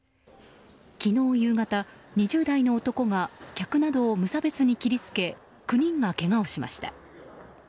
昨日夕方、２０代の男が客などを無差別に切りつけ９人がけがをしました。